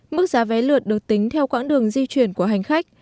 mức giá vé lượt được tính theo quãng đường di chuyển của hành khách